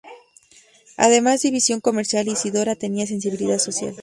Además de visión comercial, Isidora tenía sensibilidad social.